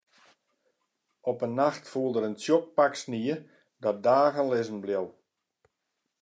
Op in nacht foel der in tsjok pak snie dat dagen lizzen bleau.